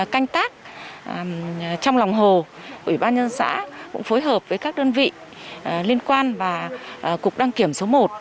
canh tác trong lòng hồ ủy ban nhân xã cũng phối hợp với các đơn vị liên quan và cục đăng kiểm số một